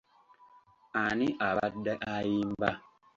Ani abadde ayimba?